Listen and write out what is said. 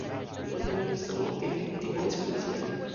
Protagonizó en "The Boys from St.